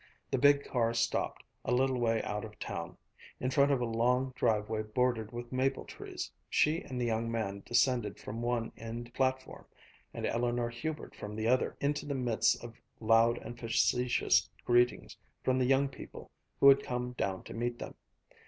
The big car stopped, a little way out of town, in front of a long driveway bordered with maple trees; she and the young man descended from one end platform and Eleanor Hubert from the other, into the midst of loud and facetious greetings from the young people who had come down to meet them.